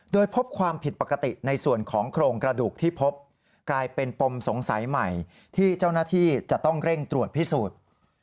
โดยพบความผิดปกติในส่วนของโครงกระดูกที่พบกลายเป็นปมสงสัยใหม่ที่เจ้าหน้าที่จะต้องเร่งตรวจพิสูจน์